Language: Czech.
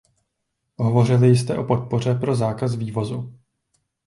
Hovořili jste o podpoře pro zákaz vývozu.